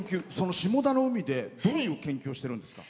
下田の海でどういう研究をしてるんですか？